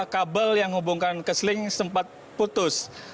kabel yang hubungkan keseling sempat putus